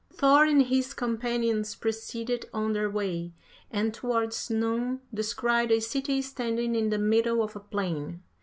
47. "Thor and his companions proceeded on their way, and towards noon descried a city standing in the middle of a plain.